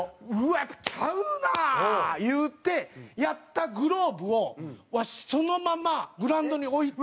やっぱちゃうな言うてやったグローブをわしそのままグラウンドに置いて。